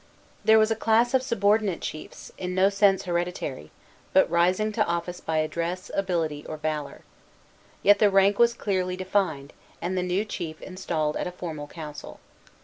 There was a class of subordinate chiefs, in no sense hereditary, but rising to office by address, ability, or valor. Yet the rank was clearly defined, and the new chief installed at a formal council.